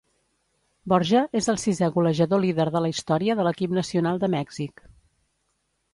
Borja és el sisè golejador líder de la història de l'equip nacional de Mèxic.